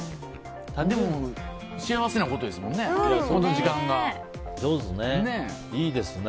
でも幸せなことですもんね。